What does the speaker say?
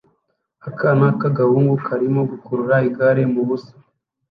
Akana k'agahungu karimo gukurura igare mu busa